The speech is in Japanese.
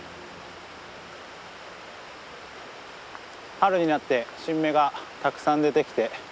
春になって新芽がたくさん出てきて。